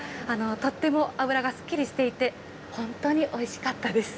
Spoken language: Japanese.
とっても脂がすっきりしていて、本当においしかったです。